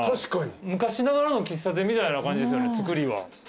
昔ながらの喫茶店みたいな感じですよね。